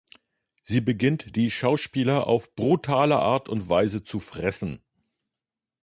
Sie beginnt, die Schauspieler auf brutale Art und Weise zu fressen.